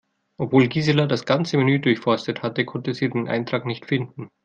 Obwohl Gisela das ganze Menü durchforstet hatte, konnte sie den Eintrag nicht finden.